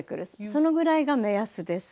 そのぐらいが目安です。